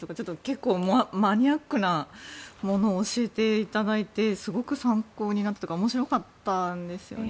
結構、マニアックなものを教えていただいてすごく参考になったのが面白かったんですよね。